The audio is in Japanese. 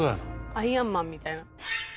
アイアンマンみたいな。